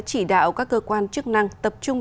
chỉ đạo các cơ quan chức năng tập trung